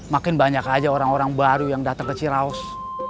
makin banyak aja orang orang baru yang datang ke ciraus